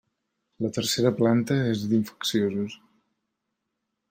La tercera planta és d'infecciosos.